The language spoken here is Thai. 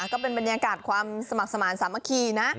ก็เป็นบรรยากาศความสมัครสมาธิสามัคคีนะ